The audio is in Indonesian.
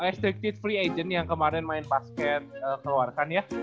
restricted free agent yang kemarin main basket keluarkan ya